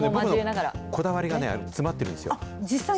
こだわりがね、詰まってるん実際に？